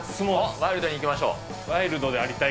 ワイルドにいきましょう。